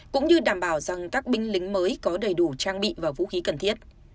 cũng như đảm bảo rằng các binh lính mới có đầy đủ trang bị và vũ khí cần thiết